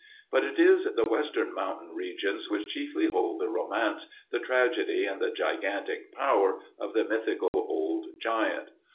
But it is the western mountain regions which chiefly hold the romance, the tragedy, and the gigantic power of the mythical old giant.